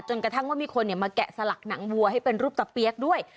กระทั่งว่ามีคนมาแกะสลักหนังวัวให้เป็นรูปตะเปี๊ยกด้วย